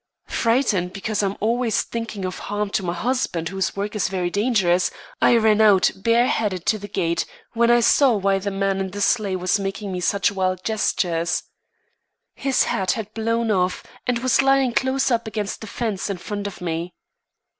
Frightened, because I'm always thinking of harm to my husband whose work is very dangerous, I ran out bare headed to the gate, when I saw why the man in the sleigh was making me such wild gestures. His hat had blown off, and was lying close up against the fence in front of me.